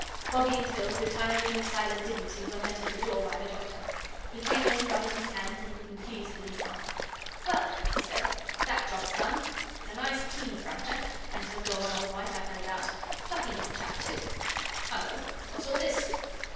Bobbie and Phil, retiring in silent dignity, were met at the door by the Doctor. He came in rubbing his hands and looking pleased with himself. "Well," he said, "THAT job's done. It's a nice clean fracture, and it'll go on all right, I've no doubt. Plucky young chap, too hullo! what's all this?"